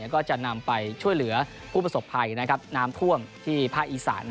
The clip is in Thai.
ก็จะนำไปช่วยเหลือผู้ประสบภัยน้ำท่วมที่ภาคอีสาน